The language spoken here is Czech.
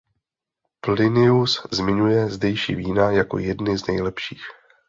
Plinius zmiňuje zdejší vína jako jedny z nejlepších.